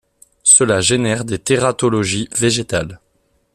Cela génère des tératologies végétales.